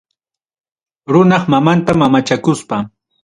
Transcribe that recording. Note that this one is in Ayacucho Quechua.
Runap mamanta mamachakuspa.